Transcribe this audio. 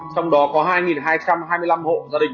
trong đó có hai hai trăm hai mươi năm hộ gia đình